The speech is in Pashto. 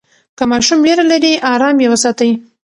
که ماشوم ویره لري، آرام یې وساتئ.